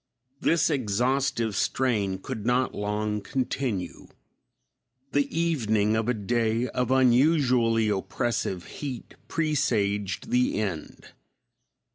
This exhaustive strain could not long continue. The evening of a day of unusually oppressive heat presaged the end.